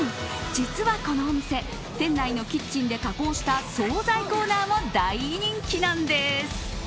実は、このお店店内のキッチンで加工した総菜コーナーも大人気なんです。